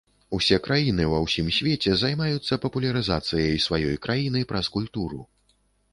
Усе краіны ва ўсім свеце займаюцца папулярызацыяй сваёй краіны праз культуру.